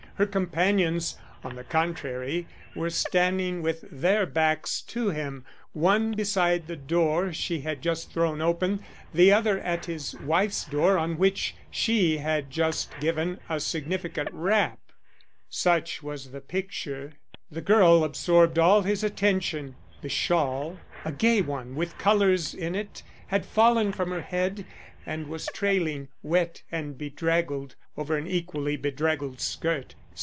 Her companions, on the contrary, were standing with their backs to him, one beside the door she had just thrown open, the other at his wife's door on which she had just given a significant rap. Such was the picture. The girl absorbed all his attention. The shawl a gay one with colors in it had fallen from her head and was trailing, wet and bedraggled, over an equally bedraggled skirt.